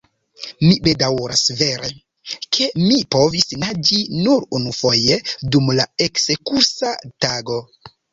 Mi bedaŭras vere, ke mi povis naĝi nur unufoje, dum la ekskursa tago.